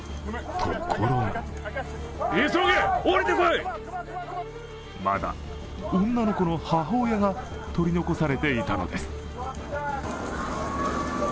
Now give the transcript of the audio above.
ところがまだ女の子の母親が取り残されていたのです。